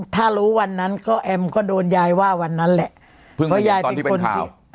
ถ้ารู้วันนั้นก็แอมก็โดนยายว่าวันนั้นแหละเพราะยายเป็นคนที่